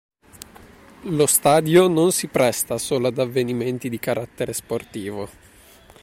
Lo stadio non si presta solo ad avvenimenti di carattere sportivo.